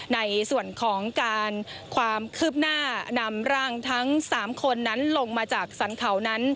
ในส่วนของการความคืบหน้านำร่างทั้ง๓คนนั้นลงมาจากสรรเขานั้น